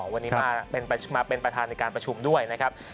วันนี้มาเป็นประธานในการประชุมด้วยนะครับ